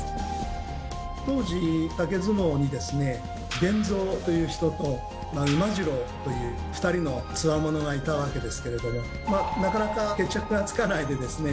当時竹相撲にですね「伝蔵」という人と「馬次郎」という２人のつわものがいたわけですけれどもなかなか決着がつかないでですね